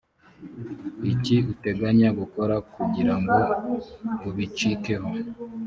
iki uteganya gukora kugira ngo ubicikeho